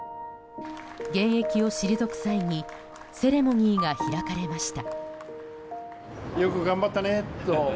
現役を退く際にセレモニーが開かれました。